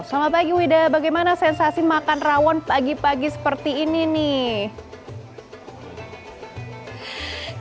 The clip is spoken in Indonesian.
selamat pagi wida bagaimana sensasi makan rawon pagi pagi seperti ini nih